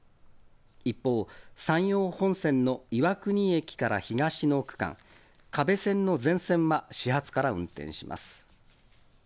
一方、山陽本線の岩国駅から東の区間、可部線の全線は、始発から運転します。